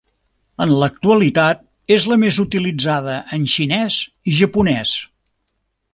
En l’actualitat és la més utilitzada en Xinès i Japonès.